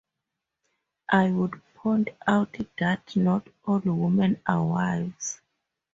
I would point out that not all women are wives.